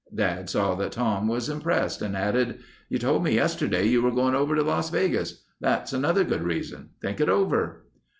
Dad saw that Tom was impressed and added: "You told me yesterday you were going over to Las Vegas. That's another good reason. Think it over."